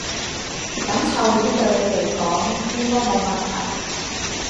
噉臭魚對你嚟講應該冇問題